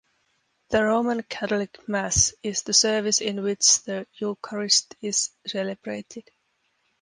The Roman Catholic "Mass" is the service in which the Eucharist is celebrated.